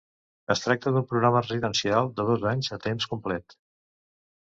Es tracta d'un programa residencial de dos anys a temps complet.